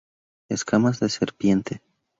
Escamas de serpiente